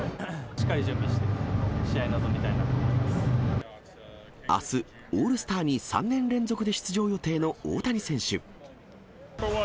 しっかり準備して、試合に臨みたあす、オールスターに３年連続で出場予定の大谷選手。